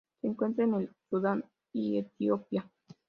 Se encuentra en el Sudán y Etiopía.